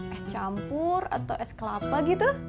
es campur atau es kelapa gitu